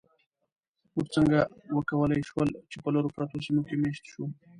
موږ څنګه وکولی شول، چې په لرو پرتو سیمو کې مېشت شو؟